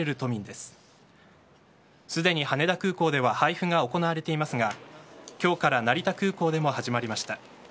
すでに羽田空港では配布が行われていますが今日から成田空港でも始まりました。